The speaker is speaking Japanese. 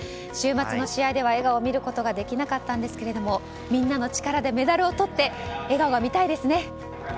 週末の試合では笑顔を見ることができなかったんですけどもみんなの力でメダルを取って笑顔が見たいですね。